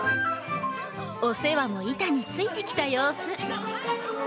お世話も板についてきた様子。